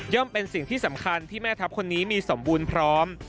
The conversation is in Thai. เป็นสิ่งที่สำคัญที่แม่ทัพคนนี้มีสมบูรณ์พร้อม